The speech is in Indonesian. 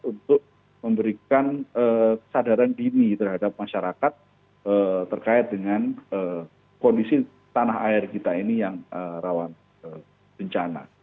untuk memberikan kesadaran dini terhadap masyarakat terkait dengan kondisi tanah air kita ini yang rawan bencana